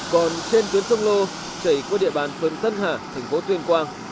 còn trên tuyến tông lô chảy qua địa bàn phường tân hà thành phố tuyên quang